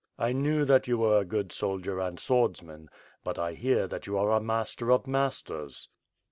I knew that you were a good soldier and swordsman, but I hear that you are a master of masters."